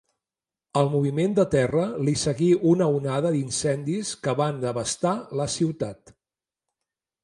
Al moviment de terra li seguí una onada d'incendis que van devastar la ciutat.